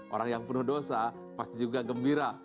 orang yang penuh dosa pasti juga gembira